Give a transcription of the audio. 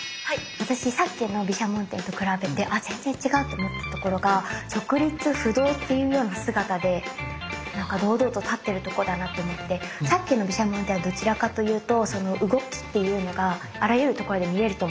私さっきの毘沙門天と比べて全然違うと思ったところが直立不動っていうような姿で何か堂々と立ってるとこだなと思ってさっきの毘沙門天はどちらかというと動きっていうのがあらゆるところで見れると思うんですよ。